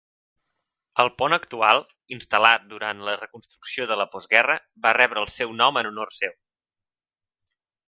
El pont actual, instal·lat durant la reconstrucció de la postguerra, va rebre el seu nom en honor seu.